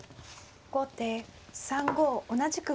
後手３五同じく歩。